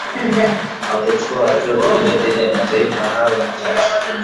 hawakuchukua hatua zozote dhidi ya mataifa hayo matatu